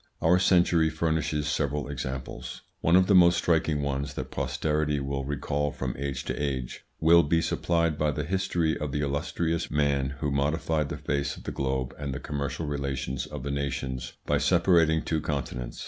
Our century furnishes several examples. One of the most striking ones that posterity will recall from age to age will be supplied by the history of the illustrious man who modified the face of the globe and the commercial relations of the nations by separating two continents.